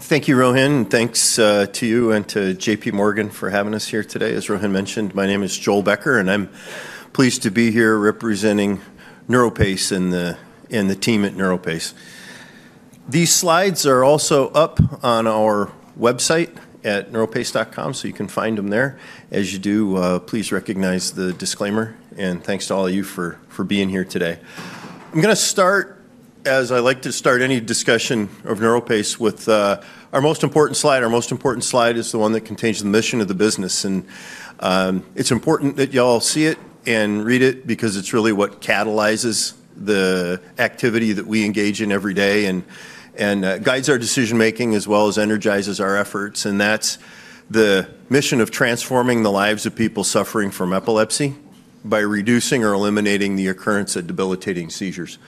Thank you, Rohan. Thanks to you and to J.P. Morgan for having us here today. As Rohan mentioned, my name is Joel Becker, and I'm pleased to be here representing NeuroPace and the team at NeuroPace. These slides are also up on our website at NeuroPace.com, so you can find them there as you do. Please recognize the disclaimer, and thanks to all of you for being here today. I'm going to start, as I like to start any discussion of NeuroPace, with our most important slide. Our most important slide is the one that contains the mission of the business, and it's important that you all see it and read it because it's really what catalyzes the activity that we engage in every day and guides our decision-making as well as energizes our efforts. And that's the mission of transforming the lives of people suffering from epilepsy by reducing or eliminating the occurrence of debilitating seizures.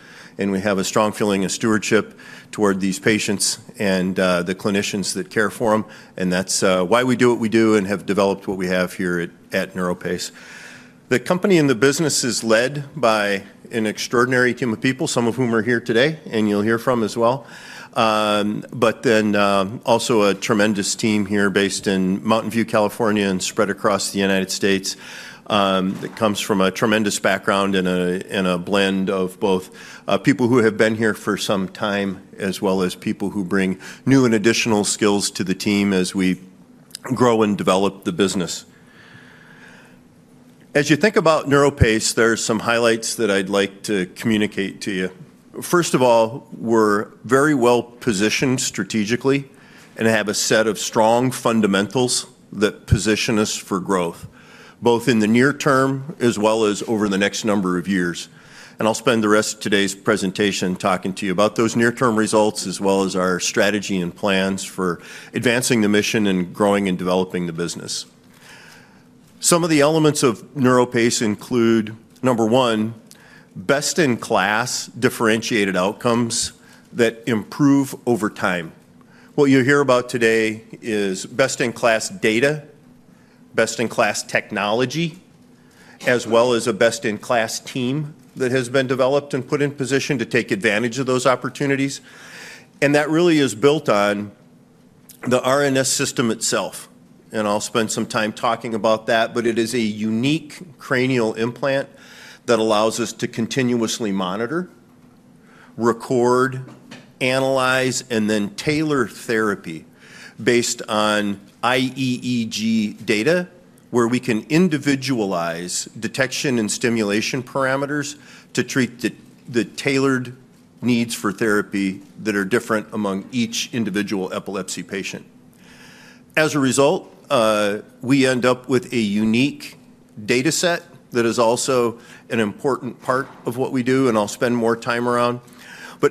And we have a strong feeling of stewardship toward these patients and the clinicians that care for them. And that's why we do what we do and have developed what we have here at NeuroPace. The company and the business is led by an extraordinary team of people, some of whom are here today and you'll hear from as well. But then also a tremendous team here based in Mountain View, California, and spread across the United States that comes from a tremendous background and a blend of both people who have been here for some time as well as people who bring new and additional skills to the team as we grow and develop the business. As you think about NeuroPace, there are some highlights that I'd like to communicate to you. First of all, we're very well positioned strategically and have a set of strong fundamentals that position us for growth, both in the near term as well as over the next number of years. And I'll spend the rest of today's presentation talking to you about those near-term results as well as our strategy and plans for advancing the mission and growing and developing the business. Some of the elements of NeuroPace include, number one, best-in-class differentiated outcomes that improve over time. What you hear about today is best-in-class data, best-in-class technology, as well as a best-in-class team that has been developed and put in position to take advantage of those opportunities. And that really is built on the RNS System itself. I'll spend some time talking about that, but it is a unique cranial implant that allows us to continuously monitor, record, analyze, and then tailor therapy based on IEEG data, where we can individualize detection and stimulation parameters to treat the tailored needs for therapy that are different among each individual epilepsy patient. As a result, we end up with a unique dataset that is also an important part of what we do and I'll spend more time around.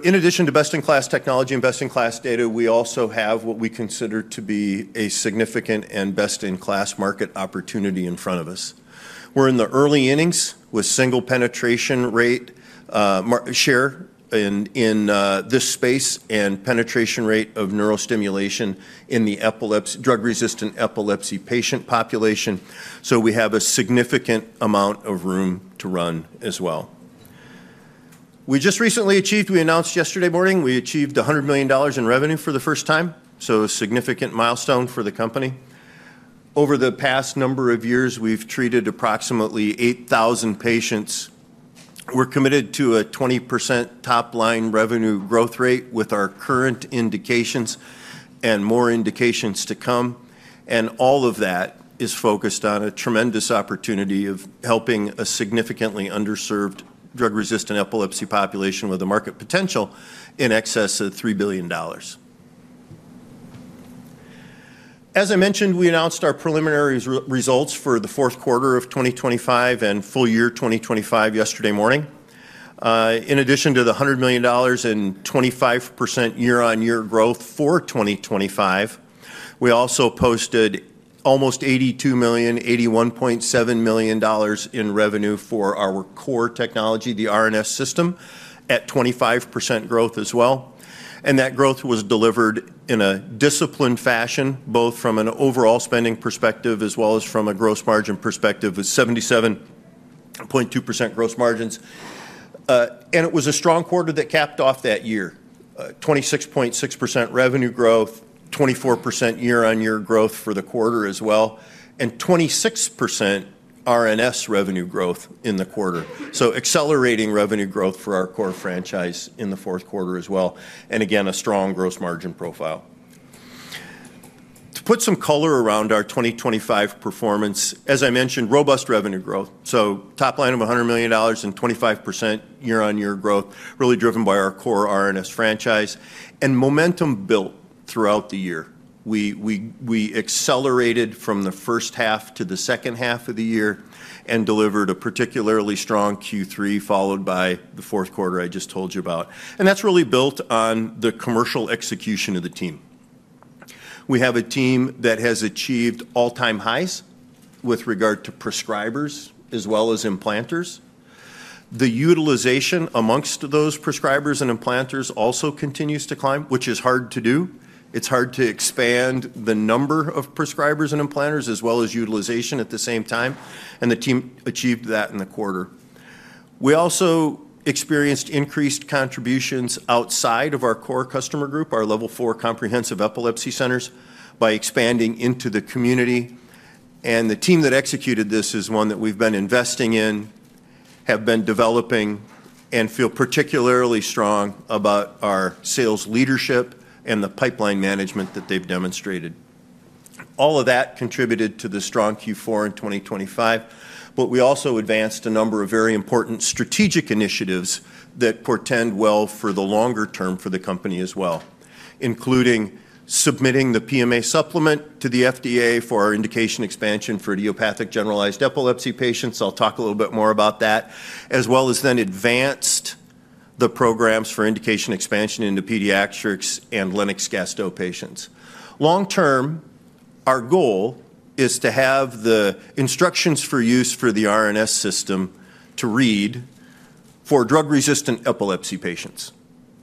In addition to best-in-class technology and best-in-class data, we also have what we consider to be a significant and best-in-class market opportunity in front of us. We're in the early innings with single penetration rate share in this space and penetration rate of neurostimulation in the drug-resistant epilepsy patient population. We have a significant amount of room to run as well. We just recently achieved. We announced yesterday morning we achieved $100 million in revenue for the first time. So a significant milestone for the company. Over the past number of years, we've treated approximately 8,000 patients. We're committed to a 20% top-line revenue growth rate with our current indications and more indications to come. And all of that is focused on a tremendous opportunity of helping a significantly underserved drug-resistant epilepsy population with a market potential in excess of $3 billion. As I mentioned, we announced our preliminary results for the fourth quarter of 2025 and full year 2025 yesterday morning. In addition to the $100 million and 25% year-on-year growth for 2025, we also posted almost $82 million, $81.7 million in revenue for our core technology, the RNS System, at 25% growth as well. That growth was delivered in a disciplined fashion, both from an overall spending perspective as well as from a gross margin perspective with 77.2% gross margins. It was a strong quarter that capped off that year, 26.6% revenue growth, 24% year-on-year growth for the quarter as well, and 26% RNS revenue growth in the quarter. Accelerating revenue growth for our core franchise in the fourth quarter as well. Again, a strong gross margin profile. To put some color around our 2025 performance, as I mentioned, robust revenue growth. Top line of $100 million and 25% year-on-year growth, really driven by our core RNS franchise. Momentum built throughout the year. We accelerated from the first half to the second half of the year and delivered a particularly strong Q3 followed by the fourth quarter I just told you about. That's really built on the commercial execution of the team. We have a team that has achieved all-time highs with regard to prescribers as well as implanters. The utilization amongst those prescribers and implanters also continues to climb, which is hard to do. It's hard to expand the number of prescribers and implanters as well as utilization at the same time. The team achieved that in the quarter. We also experienced increased contributions outside of our core customer group, our Level 4 Comprehensive Epilepsy Centers, by expanding into the community. The team that executed this is one that we've been investing in, have been developing, and feel particularly strong about our sales leadership and the pipeline management that they've demonstrated. All of that contributed to the strong Q4 in 2025. But we also advanced a number of very important strategic initiatives that portend well for the longer term for the company as well, including submitting the PMA supplement to the FDA for our indication expansion for idiopathic generalized epilepsy patients. I'll talk a little bit more about that, as well as then advanced the programs for indication expansion into pediatrics and Lennox-Gastaut patients. Long term, our goal is to have the instructions for use for the RNS System to read for drug-resistant epilepsy patients.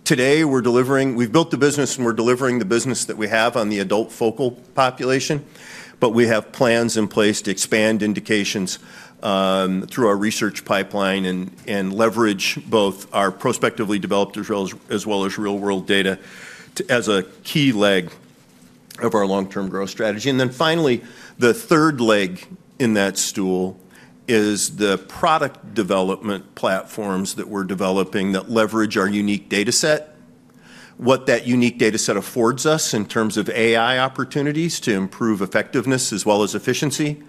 Today, we're delivering, we've built the business and we're delivering the business that we have on the adult focal population, but we have plans in place to expand indications through our research pipeline and leverage both our prospectively developed as well as real-world data as a key leg of our long-term growth strategy. And then finally, the third leg in that stool is the product development platforms that we're developing that leverage our unique dataset, what that unique dataset affords us in terms of AI opportunities to improve effectiveness as well as efficiency,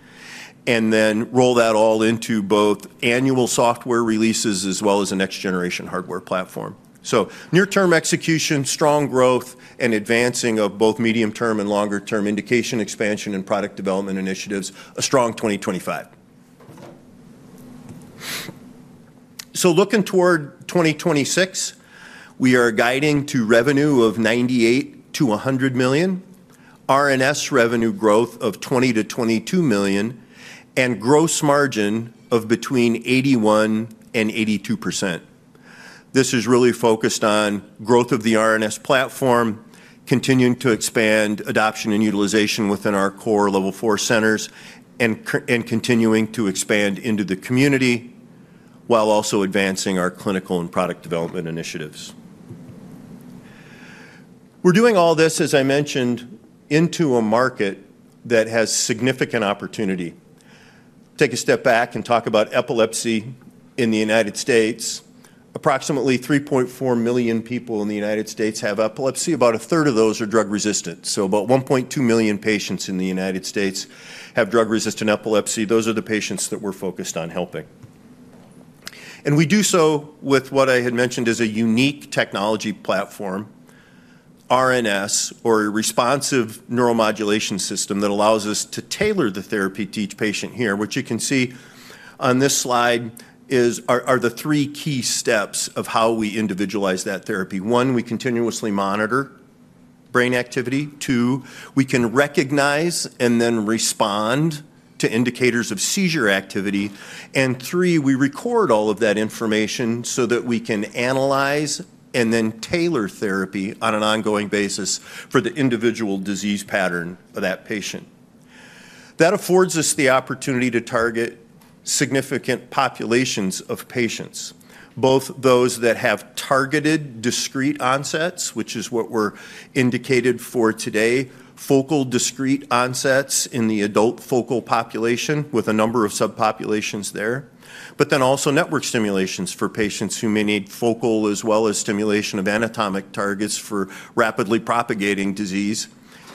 and then roll that all into both annual software releases as well as a next-generation hardware platform. So near-term execution, strong growth, and advancing of both medium-term and longer-term indication expansion and product development initiatives, a strong 2025. So looking toward 2026, we are guiding to revenue of $98-$100 million, RNS revenue growth of $20-$22 million, and gross margin of between 81% and 82%. This is really focused on growth of the RNS platform, continuing to expand adoption and utilization within our core Level 4 centers, and continuing to expand into the community while also advancing our clinical and product development initiatives. We're doing all this, as I mentioned, into a market that has significant opportunity. Take a step back and talk about epilepsy in the United States. Approximately 3.4 million people in the United States have epilepsy. About a third of those are drug-resistant. So about 1.2 million patients in the United States have drug-resistant epilepsy. Those are the patients that we're focused on helping. And we do so with what I had mentioned is a unique technology platform, RNS, or responsive neuromodulation system that allows us to tailor the therapy to each patient here. What you can see on this slide are the three key steps of how we individualize that therapy. One, we continuously monitor brain activity. Two, we can recognize and then respond to indicators of seizure activity. And three, we record all of that information so that we can analyze and then tailor therapy on an ongoing basis for the individual disease pattern of that patient. That affords us the opportunity to target significant populations of patients, both those that have targeted discrete onsets, which is what we're indicated for today, focal discrete onsets in the adult focal population with a number of subpopulations there, but then also network stimulations for patients who may need focal as well as stimulation of anatomic targets for rapidly propagating disease.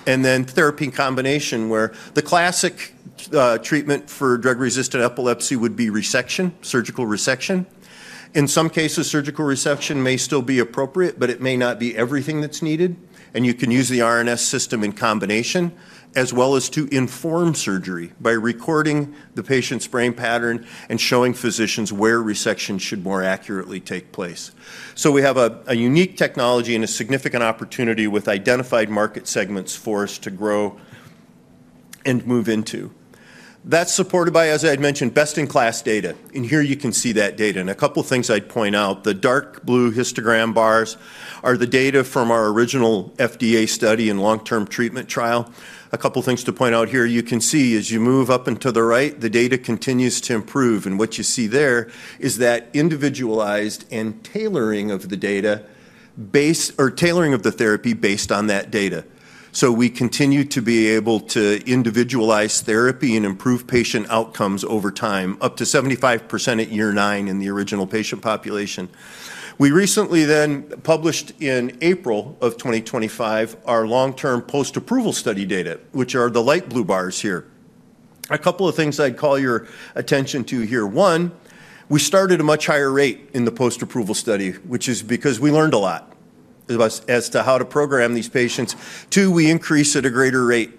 And then therapy in combination where the classic treatment for drug-resistant epilepsy would be resection, surgical resection. In some cases, surgical resection may still be appropriate, but it may not be everything that's needed. And you can use the RNS System in combination as well as to inform surgery by recording the patient's brain pattern and showing physicians where resection should more accurately take place. So we have a unique technology and a significant opportunity with identified market segments for us to grow and move into. That's supported by, as I had mentioned, best-in-class data. And here you can see that data. And a couple of things I'd point out. The dark blue histogram bars are the data from our original FDA study and long-term treatment trial. A couple of things to point out here. You can see as you move up and to the right, the data continues to improve. And what you see there is that individualized and tailoring of the data or tailoring of the therapy based on that data. So we continue to be able to individualize therapy and improve patient outcomes over time, up to 75% at year nine in the original patient population. We recently then published in April of 2025 our long-term post-approval study data, which are the light blue bars here. A couple of things I'd call your attention to here. One, we started at a much higher rate in the post-approval study, which is because we learned a lot as to how to program these patients. Two, we increase at a greater rate.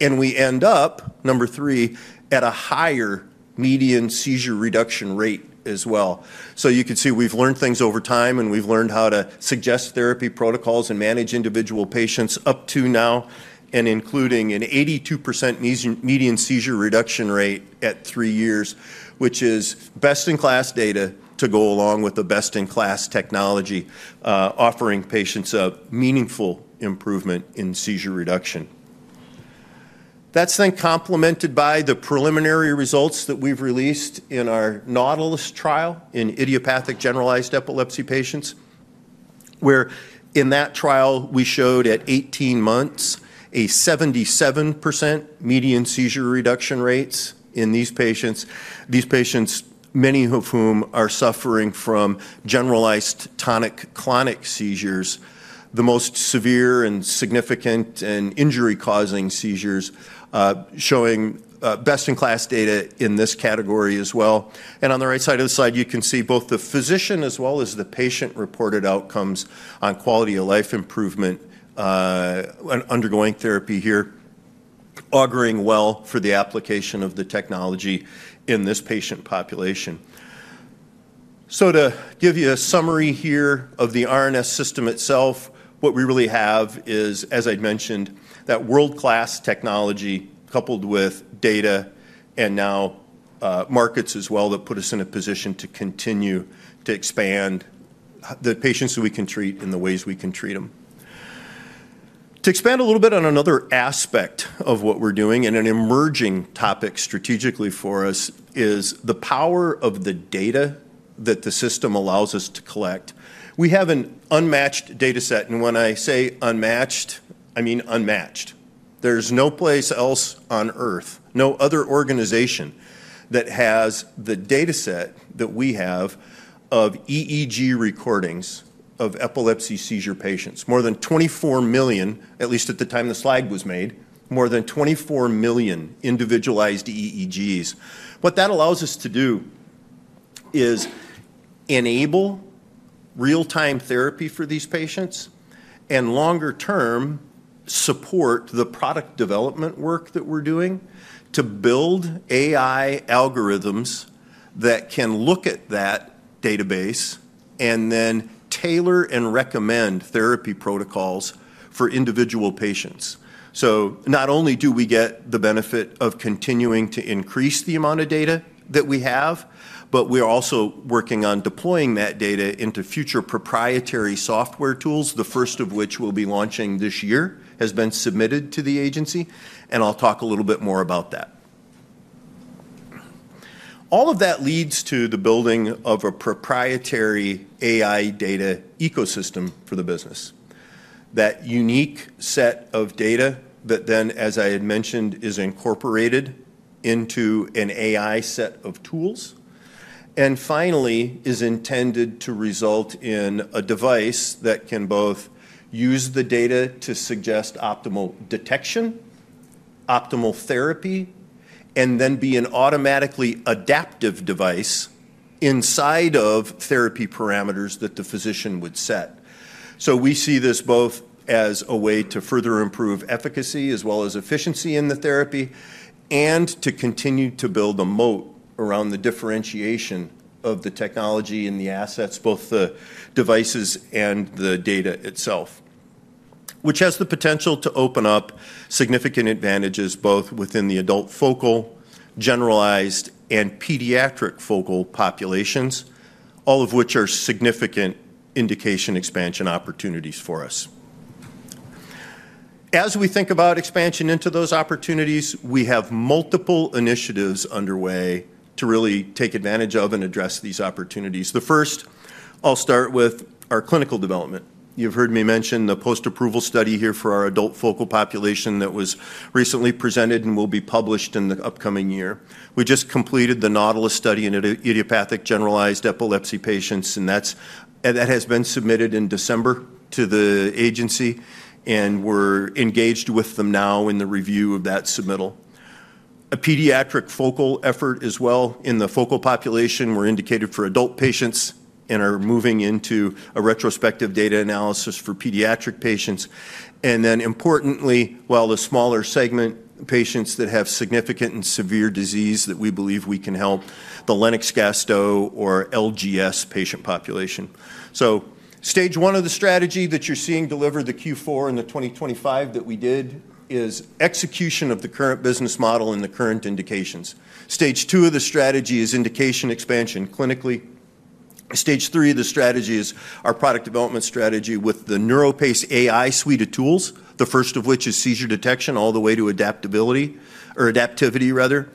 And we end up, number three, at a higher median seizure reduction rate as well. So you can see we've learned things over time and we've learned how to suggest therapy protocols and manage individual patients up to now and including an 82% median seizure reduction rate at three years, which is best-in-class data to go along with the best-in-class technology, offering patients a meaningful improvement in seizure reduction. That's then complemented by the preliminary results that we've released in our Nautilus trial in idiopathic generalized epilepsy patients, where in that trial we showed at 18 months a 77% median seizure reduction rates in these patients, these patients, many of whom are suffering from generalized tonic-clonic seizures, the most severe and significant and injury-causing seizures, showing best-in-class data in this category as well. And on the right side of the slide, you can see both the physician as well as the patient reported outcomes on quality of life improvement undergoing therapy here, auguring well for the application of the technology in this patient population. So to give you a summary here of the RNS System itself, what we really have is, as I'd mentioned, that world-class technology coupled with data and now markets as well that put us in a position to continue to expand the patients that we can treat in the ways we can treat them. To expand a little bit on another aspect of what we're doing and an emerging topic strategically for us is the power of the data that the system allows us to collect. We have an unmatched dataset. And when I say unmatched, I mean unmatched. There's no place else on earth, no other organization that has the dataset that we have of EEG recordings of epilepsy seizure patients. More than 24 million, at least at the time the slide was made, more than 24 million individualized EEGs. What that allows us to do is enable real-time therapy for these patients and longer-term support the product development work that we're doing to build AI algorithms that can look at that database and then tailor and recommend therapy protocols for individual patients. Not only do we get the benefit of continuing to increase the amount of data that we have, but we're also working on deploying that data into future proprietary software tools, the first of which we'll be launching this year has been submitted to the agency, and I'll talk a little bit more about that. All of that leads to the building of a proprietary AI data ecosystem for the business, that unique set of data that then, as I had mentioned, is incorporated into an AI set of tools, and finally is intended to result in a device that can both use the data to suggest optimal detection, optimal therapy, and then be an automatically adaptive device inside of therapy parameters that the physician would set. So we see this both as a way to further improve efficacy as well as efficiency in the therapy and to continue to build a moat around the differentiation of the technology and the assets, both the devices and the data itself, which has the potential to open up significant advantages both within the adult focal, generalized, and pediatric focal populations, all of which are significant indication expansion opportunities for us. As we think about expansion into those opportunities, we have multiple initiatives underway to really take advantage of and address these opportunities. The first, I'll start with our clinical development. You've heard me mention the post-approval study here for our adult focal population that was recently presented and will be published in the upcoming year. We just completed the Nautilus study in idiopathic generalized epilepsy patients, and that has been submitted in December to the agency, and we're engaged with them now in the review of that submittal. A pediatric focal effort as well in the focal population were indicated for adult patients and are moving into a retrospective data analysis for pediatric patients. And then importantly, while the smaller segment patients that have significant and severe disease that we believe we can help, the Lennox-Gastaut or LGS patient population. Stage one of the strategy that you're seeing deliver the Q4 in the 2025 that we did is execution of the current business model and the current indications. Stage two of the strategy is indication expansion clinically. Stage three of the strategy is our product development strategy with the NeuroPace AI suite of tools, the first of which is seizure detection all the way to adaptability or adaptivity, rather.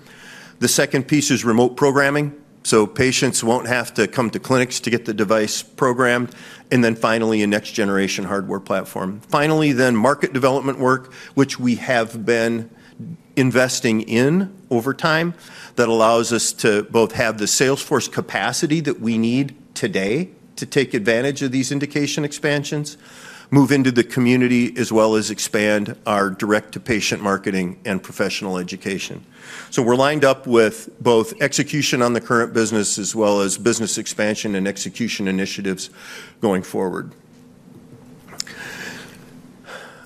The second piece is remote programming, so patients won't have to come to clinics to get the device programmed, and then finally a next-generation hardware platform. Finally, then market development work, which we have been investing in over time that allows us to both have the sales force capacity that we need today to take advantage of these indication expansions, move into the community as well as expand our direct-to-patient marketing and professional education. So we're lined up with both execution on the current business as well as business expansion and execution initiatives going forward.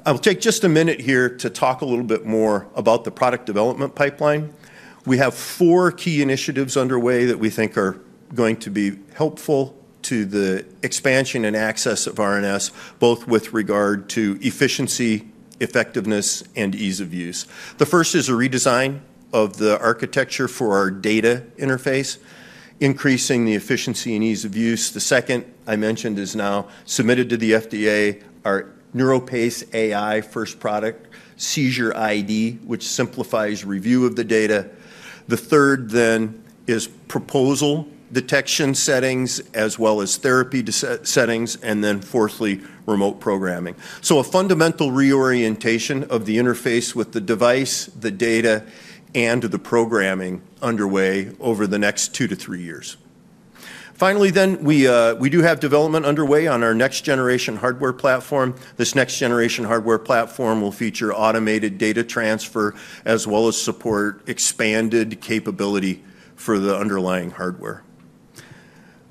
I'll take just a minute here to talk a little bit more about the product development pipeline. We have four key initiatives underway that we think are going to be helpful to the expansion and access of RNS, both with regard to efficiency, effectiveness, and ease of use. The first is a redesign of the architecture for our data interface, increasing the efficiency and ease of use. The second I mentioned is now submitted to the FDA, our NeuroPace AI first product seizureID, which simplifies review of the data. The third then is proposed detection settings as well as therapy settings, and then fourthly, remote programming. So a fundamental reorientation of the interface with the device, the data, and the programming underway over the next two to three years. Finally, then we do have development underway on our next-generation hardware platform. This next-generation hardware platform will feature automated data transfer as well as support expanded capability for the underlying hardware.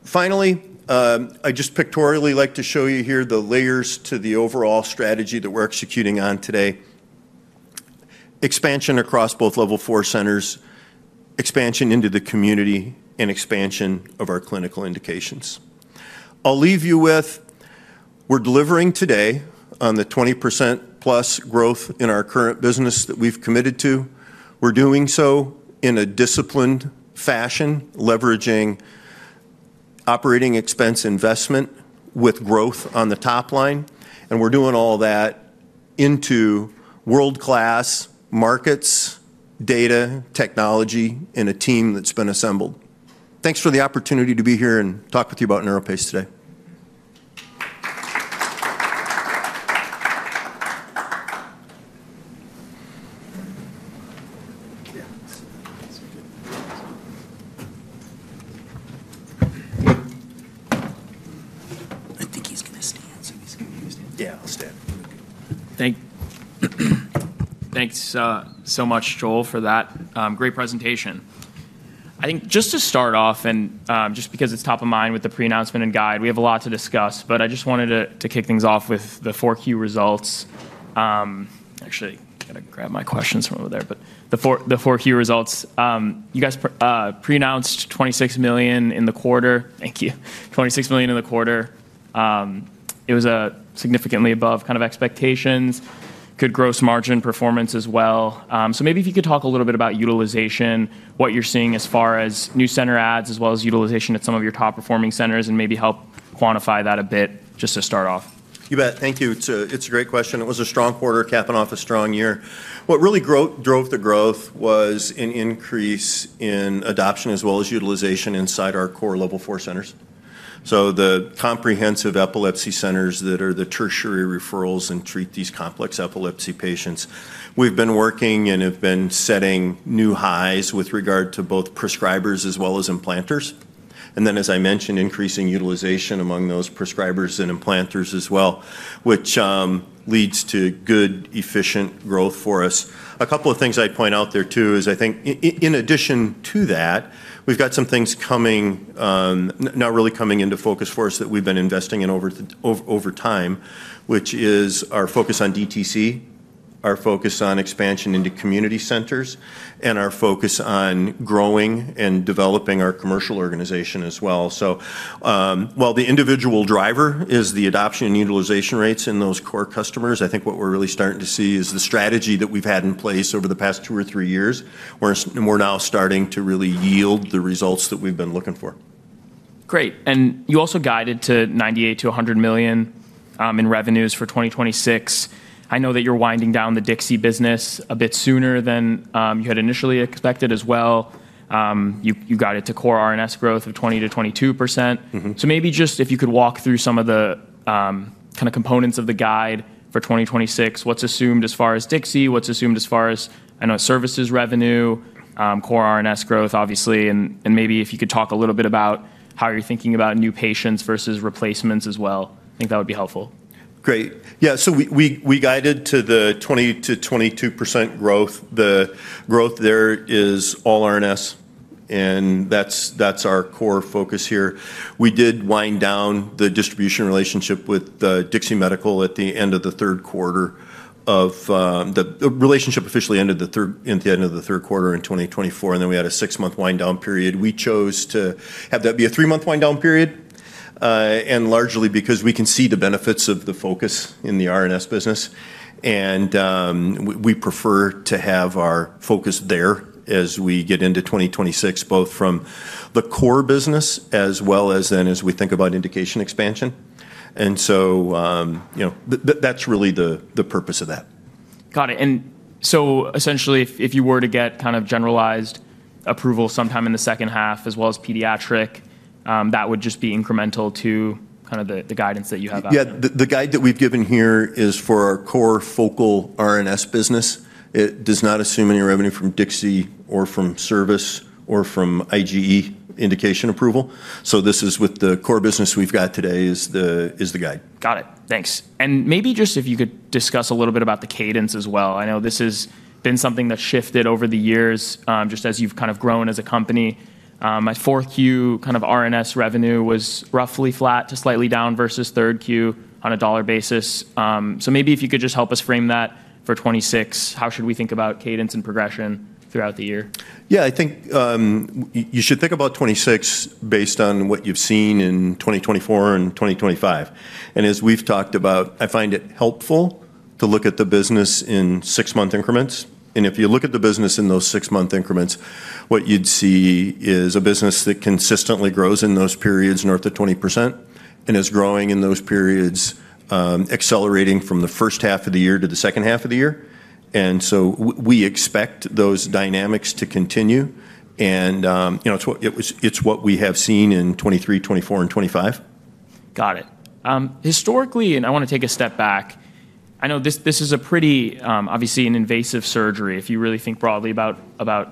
Finally, I just pictorially like to show you here the layers to the overall strategy that we're executing on today, expansion across both Level 4 centers, expansion into the community, and expansion of our clinical indications. I'll leave you with we're delivering today on the 20% plus growth in our current business that we've committed to. We're doing so in a disciplined fashion, leveraging operating expense investment with growth on the top line. And we're doing all that into world-class markets, data, technology in a team that's been assembled. Thanks for the opportunity to be here and talk with you about NeuroPace today. I think he's going to stand, so he's going to use it. Yeah, I'll stand. Thanks so much, Joel, for that great presentation. I think just to start off, and just because it's top of mind with the pre-announcement and guide, we have a lot to discuss, but I just wanted to kick things off with the four key results. Actually, I got to grab my questions from over there, but the four key results. You guys pre-announced $26 million in the quarter. Thank you. $26 million in the quarter. It was significantly above kind of expectations, good gross margin performance as well. So maybe if you could talk a little bit about utilization, what you're seeing as far as new center adds as well as utilization at some of your top performing centers and maybe help quantify that a bit just to start off. You bet. Thank you. It's a great question. It was a strong quarter, capping off a strong year. What really drove the growth was an increase in adoption as well as utilization inside our core Level 4 centers. So the comprehensive epilepsy centers that are the tertiary referrals and treat these complex epilepsy patients, we've been working and have been setting new highs with regard to both prescribers as well as implanters. And then, as I mentioned, increasing utilization among those prescribers and implanters as well, which leads to good, efficient growth for us. A couple of things I'd point out there too is I think in addition to that, we've got some things coming, not really coming into focus for us that we've been investing in over time, which is our focus on DTC, our focus on expansion into community centers, and our focus on growing and developing our commercial organization as well. So while the individual driver is the adoption and utilization rates in those core customers, I think what we're really starting to see is the strategy that we've had in place over the past two or three years where we're now starting to really yield the results that we've been looking for. Great. And you also guided to $98 million-$100 million in revenues for 2026. I know that you're winding down the Dixie business a bit sooner than you had initially expected as well. You guided to core RNS growth of 20%-22%. So maybe just if you could walk through some of the kind of components of the guide for 2026, what's assumed as far as Dixie, what's assumed as far as, I know, services revenue, core RNS growth, obviously, and maybe if you could talk a little bit about how you're thinking about new patients versus replacements as well. I think that would be helpful. Great. Yeah. So we guided to the 20%-22% growth. The growth there is all RNS, and that's our core focus here. We did wind down the distribution relationship with Dixie Medical at the end of the third quarter. The relationship officially ended at the end of the third quarter in 2024, and then we had a six-month wind-down period. We chose to have that be a three-month wind-down period, and largely because we can see the benefits of the focus in the RNS business. And we prefer to have our focus there as we get into 2026, both from the core business as well as then as we think about indication expansion. And so that's really the purpose of that. Got it. And so essentially, if you were to get kind of generalized approval sometime in the second half as well as pediatric, that would just be incremental to kind of the guidance that you have out there. Yeah. The guide that we've given here is for our core focal RNS business. It does not assume any revenue from Dixie or from service or from IGE indication approval. So this is with the core business we've got today is the guide. Got it. Thanks. And maybe just if you could discuss a little bit about the cadence as well. I know this has been something that shifted over the years just as you've kind of grown as a company. My fourth Q kind of RNS revenue was roughly flat to slightly down versus third Q on a dollar basis. So maybe if you could just help us frame that for 2026, how should we think about cadence and progression throughout the year? Yeah. I think you should think about 2026 based on what you've seen in 2024 and 2025. And as we've talked about, I find it helpful to look at the business in six-month increments. And if you look at the business in those six-month increments, what you'd see is a business that consistently grows in those periods north of 20% and is growing in those periods, accelerating from the first half of the year to the second half of the year. And so we expect those dynamics to continue. And it's what we have seen in 2023, 2024, and 2025. Got it. Historically, and I want to take a step back. I know this is a pretty, obviously, an invasive surgery if you really think broadly about the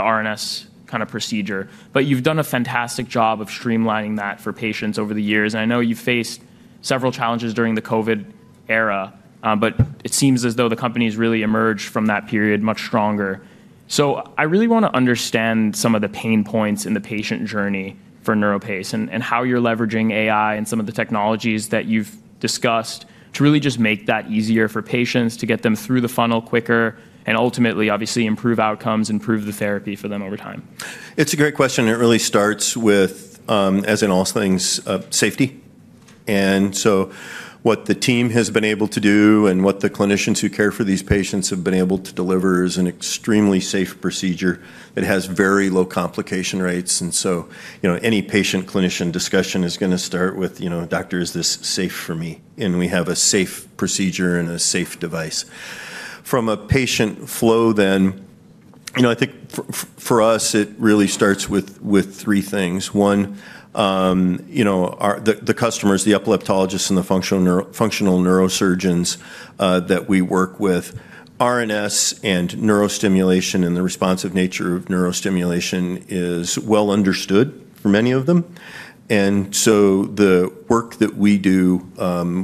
RNS kind of procedure, but you've done a fantastic job of streamlining that for patients over the years. And I know you've faced several challenges during the COVID era, but it seems as though the company has really emerged from that period much stronger. So I really want to understand some of the pain points in the patient journey for NeuroPace and how you're leveraging AI and some of the technologies that you've discussed to really just make that easier for patients to get them through the funnel quicker and ultimately, obviously, improve outcomes, improve the therapy for them over time. It's a great question. It really starts with, as in all things, safety. And so what the team has been able to do and what the clinicians who care for these patients have been able to deliver is an extremely safe procedure. It has very low complication rates. And so any patient-clinician discussion is going to start with, "Doctor, is this safe for me?" And we have a safe procedure and a safe device. From a patient flow then, I think for us, it really starts with three things. One, the customers, the epileptologists and the functional neurosurgeons that we work with. RNS and neurostimulation and the responsive nature of neurostimulation is well understood for many of them, and so the work that we do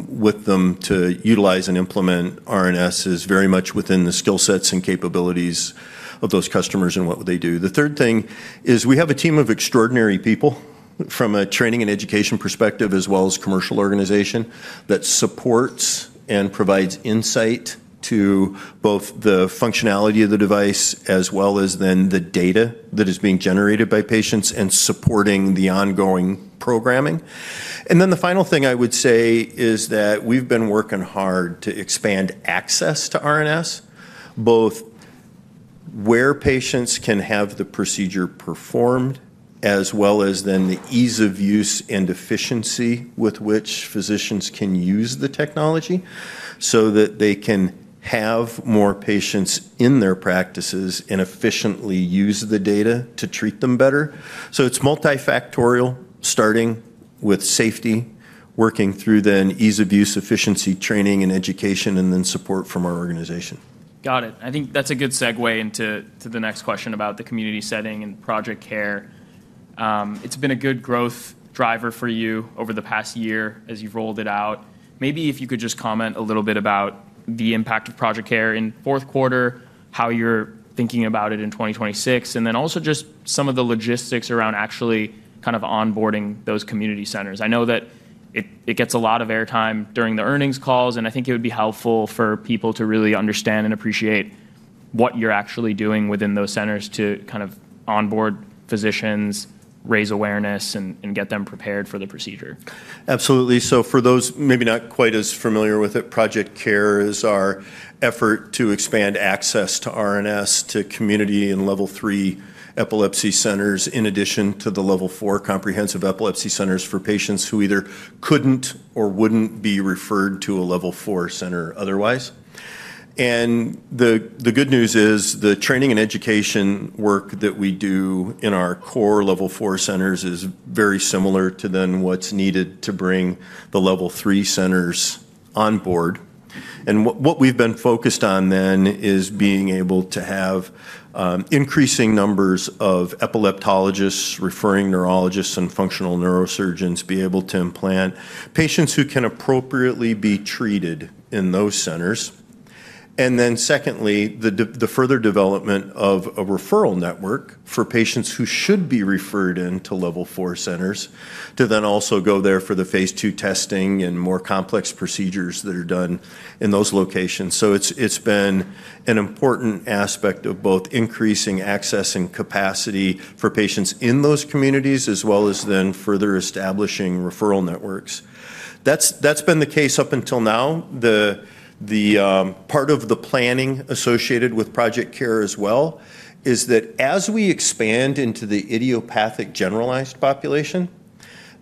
with them to utilize and implement RNS is very much within the skill sets and capabilities of those customers and what they do. The third thing is we have a team of extraordinary people from a training and education perspective as well as commercial organization that supports and provides insight to both the functionality of the device as well as then the data that is being generated by patients and supporting the ongoing programming. And then the final thing I would say is that we've been working hard to expand access to RNS, both where patients can have the procedure performed as well as then the ease of use and efficiency with which physicians can use the technology so that they can have more patients in their practices and efficiently use the data to treat them better. So it's multifactorial, starting with safety, working through then ease of use, efficiency, training, and education, and then support from our organization. Got it. I think that's a good segue into the next question about the community setting and Project CARE. It's been a good growth driver for you over the past year as you've rolled it out. Maybe if you could just comment a little bit about the impact of Project CARE in fourth quarter, how you're thinking about it in 2026, and then also just some of the logistics around actually kind of onboarding those community centers? I know that it gets a lot of airtime during the earnings calls, and I think it would be helpful for people to really understand and appreciate what you're actually doing within those centers to kind of onboard physicians, raise awareness, and get them prepared for the procedure. Absolutely. So for those maybe not quite as familiar with it, Project CARE is our effort to expand access to RNS to community and Level 3 Epilepsy Centers in addition to the Level 4 Comprehensive Epilepsy Centers for patients who either couldn't or wouldn't be referred to a Level 4 center otherwise. And the good news is the training and education work that we do in our core Level 4 centers is very similar to then what's needed to bring the Level 3 centers on board. And what we've been focused on then is being able to have increasing numbers of epileptologists, referring neurologists, and functional neurosurgeons be able to implant patients who can appropriately be treated in those centers. And then secondly, the further development of a referral network for patients who should be referred into Level 4 centers to then also go there for the phase two testing and more complex procedures that are done in those locations. So it's been an important aspect of both increasing access and capacity for patients in those communities as well as then further establishing referral networks. That's been the case up until now. The part of the planning associated Project CARE as well is that as we expand into the idiopathic generalized population,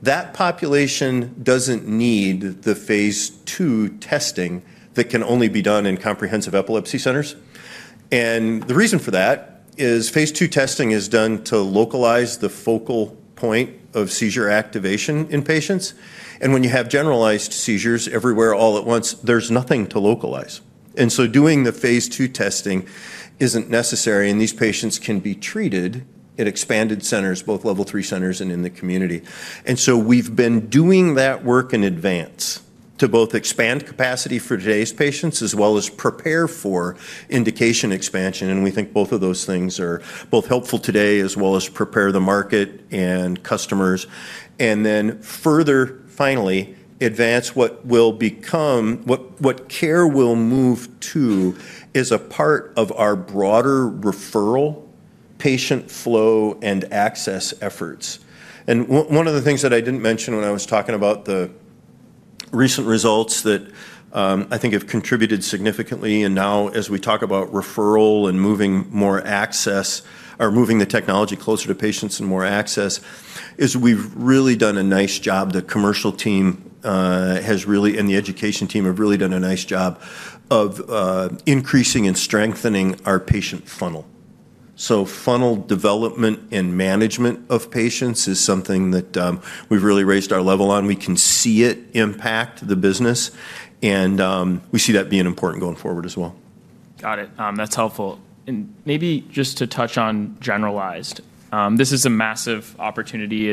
that population doesn't need the phase two testing that can only be done in comprehensive epilepsy centers. And the reason for that is phase two testing is done to localize the focal point of seizure activation in patients. And when you have generalized seizures everywhere all at once, there's nothing to localize. And so doing the phase two testing isn't necessary, and these patients can be treated in expanded centers, both Level 3 centers and in the community. And so we've been doing that work in advance to both expand capacity for today's patients as well as prepare for indication expansion. And we think both of those things are both helpful today as well as prepare the market and customers. And then further, finally, advance what will become Project CARE will move to is a part of our broader referral patient flow and access efforts. And one of the things that I didn't mention when I was talking about the recent results that I think have contributed significantly. And now, as we talk about referral and moving more access or moving the technology closer to patients and more access, is we've really done a nice job. The commercial team has really, and the education team have really done a nice job of increasing and strengthening our patient funnel. So funnel development and management of patients is something that we've really raised our level on. We can see it impact the business, and we see that being important going forward as well. Got it. That's helpful. And maybe just to touch on generalized, this is a massive opportunity.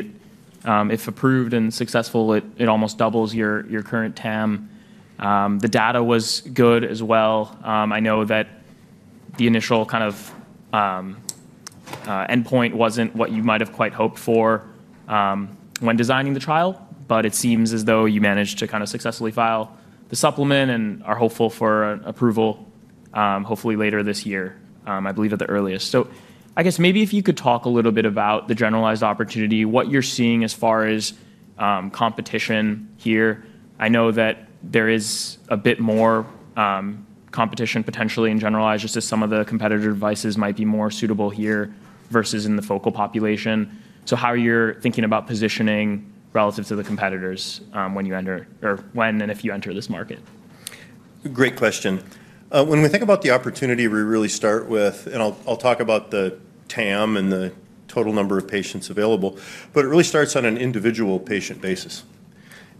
If approved and successful, it almost doubles your current TAM. The data was good as well. I know that the initial kind of endpoint wasn't what you might have quite hoped for when designing the trial, but it seems as though you managed to kind of successfully file the supplement and are hopeful for approval hopefully later this year, I believe at the earliest. So I guess maybe if you could talk a little bit about the generalized opportunity, what you're seeing as far as competition here. I know that there is a bit more competition potentially in generalized just as some of the competitor devices might be more suitable here versus in the focal population. So how are you thinking about positioning relative to the competitors when you enter or when and if you enter this market? Great question. When we think about the opportunity, we really start with, and I'll talk about the TAM and the total number of patients available, but it really starts on an individual patient basis,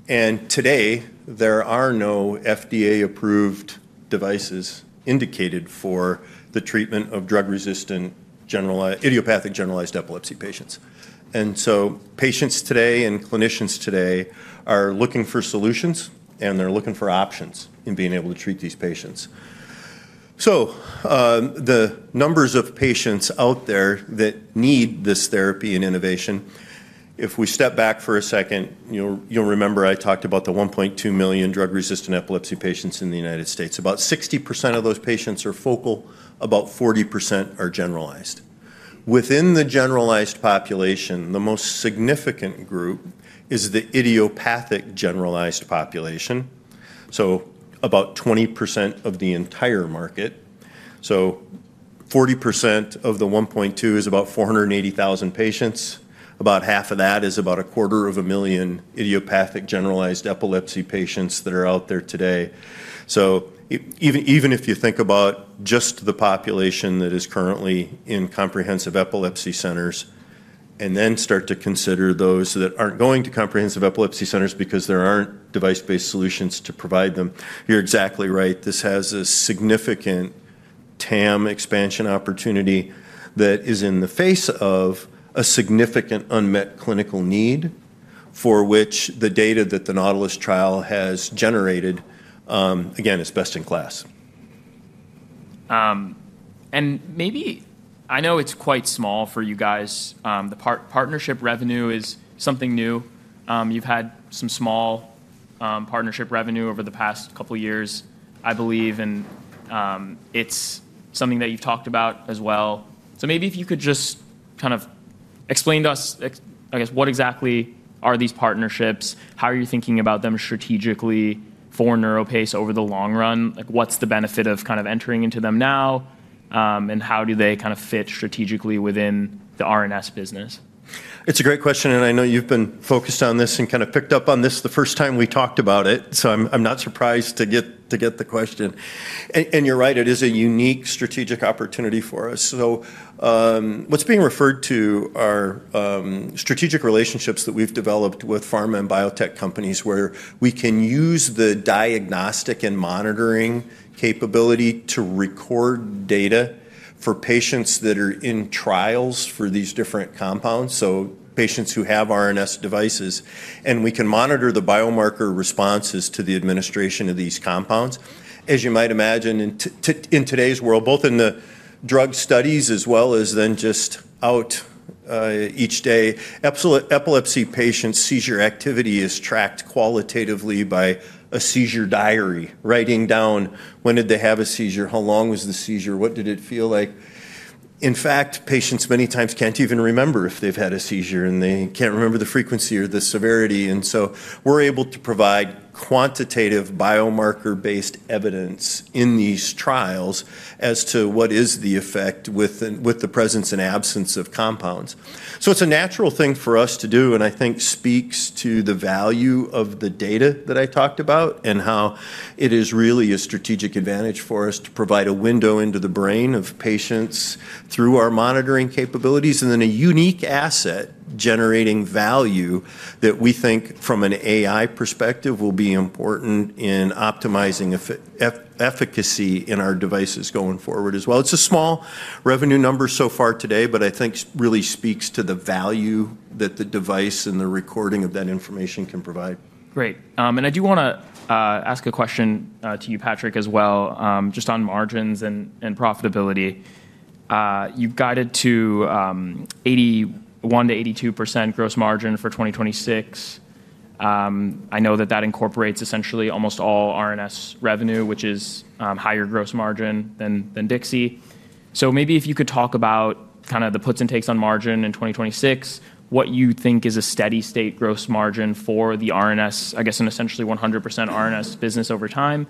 and today, there are no FDA-approved devices indicated for the treatment of drug-resistant idiopathic generalized epilepsy patients. And so patients today and clinicians today are looking for solutions, and they're looking for options in being able to treat these patients, so the numbers of patients out there that need this therapy and innovation, if we step back for a second, you'll remember I talked about the 1.2 million drug-resistant epilepsy patients in the United States. About 60% of those patients are focal. About 40% are generalized. Within the generalized population, the most significant group is the idiopathic generalized population, so about 20% of the entire market. So 40% of the 1.2 is about 480,000 patients. About half of that is about 250,000 idiopathic generalized epilepsy patients that are out there today. So even if you think about just the population that is currently in comprehensive epilepsy centers and then start to consider those that aren't going to comprehensive epilepsy centers because there aren't device-based solutions to provide them, you're exactly right. This has a significant TAM expansion opportunity that is in the face of a significant unmet clinical need for which the data that the Nautilus trial has generated, again, is best in class. And maybe I know it's quite small for you guys. The partnership revenue is something new. You've had some small partnership revenue over the past couple of years, I believe, and it's something that you've talked about as well. So maybe if you could just kind of explain to us, I guess, what exactly are these partnerships? How are you thinking about them strategically for NeuroPace over the long run? What's the benefit of kind of entering into them now, and how do they kind of fit strategically within the RNS business? It's a great question, and I know you've been focused on this and kind of picked up on this the first time we talked about it, so I'm not surprised to get the question, and you're right, it is a unique strategic opportunity for us, so what's being referred to are strategic relationships that we've developed with pharma and biotech companies where we can use the diagnostic and monitoring capability to record data for patients that are in trials for these different compounds, so patients who have RNS devices, and we can monitor the biomarker responses to the administration of these compounds. As you might imagine, in today's world, both in the drug studies as well as then just out each day, epilepsy patients' seizure activity is tracked qualitatively by a seizure diary, writing down when did they have a seizure, how long was the seizure, what did it feel like. In fact, patients many times can't even remember if they've had a seizure, and they can't remember the frequency or the severity. And so we're able to provide quantitative biomarker-based evidence in these trials as to what is the effect with the presence and absence of compounds. So it's a natural thing for us to do, and I think speaks to the value of the data that I talked about and how it is really a strategic advantage for us to provide a window into the brain of patients through our monitoring capabilities and then a unique asset generating value that we think from an AI perspective will be important in optimizing efficacy in our devices going forward as well. It's a small revenue number so far today, but I think really speaks to the value that the device and the recording of that information can provide. Great. And I do want to ask a question to you, Patrick, as well, just on margins and profitability. You've guided to 81%-82% gross margin for 2026. I know that that incorporates essentially almost all RNS revenue, which is higher gross margin than Dixie. So maybe if you could talk about kind of the puts and takes on margin in 2026, what you think is a steady-state gross margin for the RNS, I guess, an essentially 100% RNS business over time.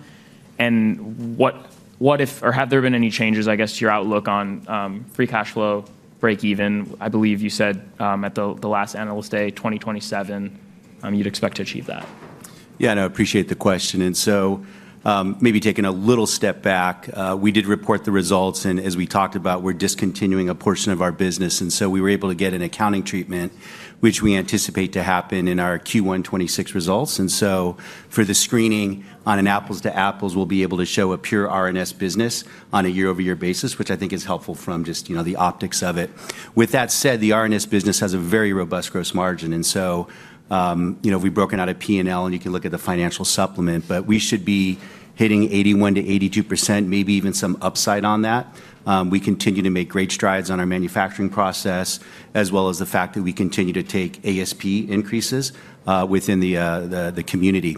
And what if or have there been any changes, I guess, to your outlook on free cash flow, break-even? I believe you said at the last analyst day, 2027, you'd expect to achieve that. Yeah, and I appreciate the question. And so maybe taking a little step back, we did report the results, and as we talked about, we're discontinuing a portion of our business. And so we were able to get an accounting treatment, which we anticipate to happen in our Q1 2026 results. And so for the screening on an apples-to-apples, we'll be able to show a pure RNS business on a year-over-year basis, which I think is helpful from just the optics of it. With that said, the RNS business has a very robust gross margin. And so we've broken out a P&L, and you can look at the financial supplement, but we should be hitting 81%-82%, maybe even some upside on that. We continue to make great strides on our manufacturing process as well as the fact that we continue to take ASP increases within the community.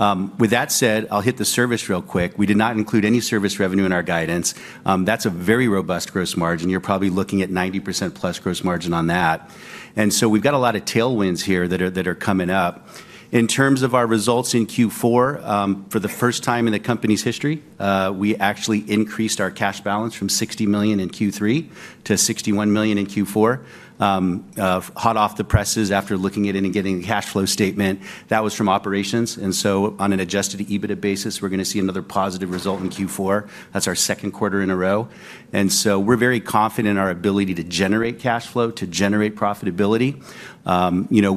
With that said, I'll hit the service real quick. We did not include any service revenue in our guidance. That's a very robust gross margin. You're probably looking at 90% plus gross margin on that. And so we've got a lot of tailwinds here that are coming up. In terms of our results in Q4, for the first time in the company's history, we actually increased our cash balance from $60 million in Q3 to $61 million in Q4. Hot off the presses after looking at it and getting a cash flow statement, that was from operations. And so on an adjusted EBITDA basis, we're going to see another positive result in Q4. That's our second quarter in a row. And so we're very confident in our ability to generate cash flow, to generate profitability.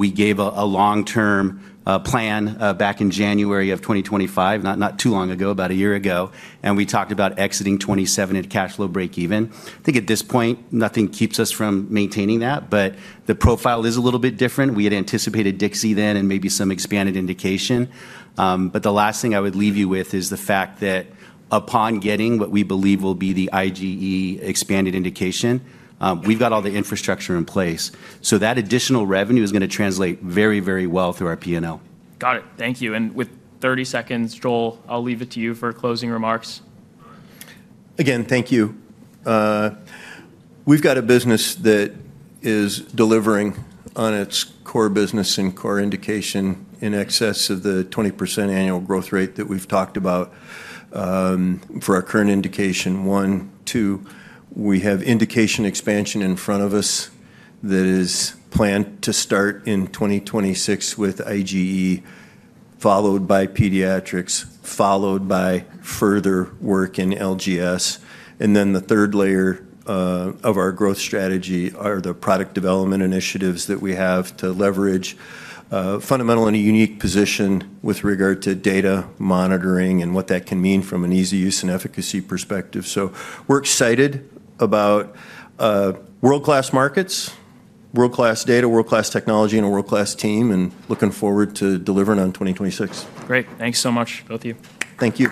We gave a long-term plan back in January of 2025, not too long ago, about a year ago, and we talked about exiting 27 at cash flow break-even. I think at this point, nothing keeps us from maintaining that, but the profile is a little bit different. We had anticipated Dixie then and maybe some expanded indication. But the last thing I would leave you with is the fact that upon getting what we believe will be the IGE expanded indication, we've got all the infrastructure in place. So that additional revenue is going to translate very, very well through our P&L. Got it. Thank you. And with 30 seconds, Joel, I'll leave it to you for closing remarks. Again, thank you. We've got a business that is delivering on its core business and core indication in excess of the 20% annual growth rate that we've talked about for our current indication one. Two, we have indication expansion in front of us that is planned to start in 2026 with IGE, followed by pediatrics, followed by further work in LGS. And then the third layer of our growth strategy are the product development initiatives that we have to leverage fundamentally a unique position with regard to data monitoring and what that can mean from an easy use and efficacy perspective. So we're excited about world-class markets, world-class data, world-class technology, and a world-class team, and looking forward to delivering on 2026. Great. Thanks so much, both of you. Thank you.